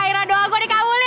akhirnya doa gue dikabulin